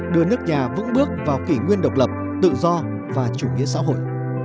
đưa nước nhà vững bước vào kỷ nguyên độc lập tự do và chủ nghĩa xã hội